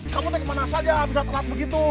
kamu itu kemana saja bisa terlihat begitu